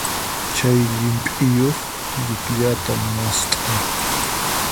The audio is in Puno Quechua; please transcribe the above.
Chay llimp'iyuq llikllata mast'ay.